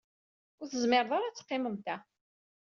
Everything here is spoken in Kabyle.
Ur tezmireḍ ara ad teqqimeḍ da.